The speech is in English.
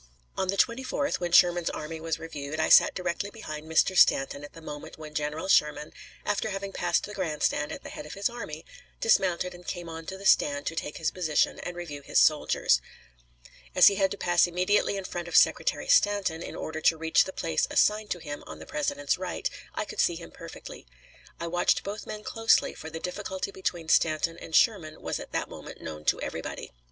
On the 24th, when Sherman's army was reviewed, I sat directly behind Mr. Stanton at the moment when General Sherman, after having passed the grand stand at the head of his army, dismounted and came on to the stand to take his position and review his soldiers. As he had to pass immediately in front of Secretary Stanton in order to reach the place assigned to him on the President's right, I could see him perfectly. I watched both men closely, for the difficulty between Stanton and Sherman was at that moment known to everybody.